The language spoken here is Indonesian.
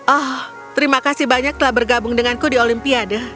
oh terima kasih banyak telah bergabung denganku di olimpiade